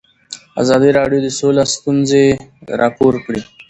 ازادي راډیو د سوله ستونزې راپور کړي.